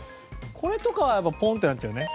これとかはポンッてなっちゃうよね。